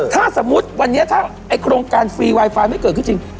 ถ้าสมมุติวันนี้ถ้าไอ้โครงการฟรีไวไฟไม่เกิดขึ้นจริง